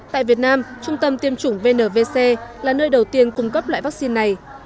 tại việt nam trung tâm tiêm chủng vnvc là nơi đầu tiên cung cấp loại vaccine này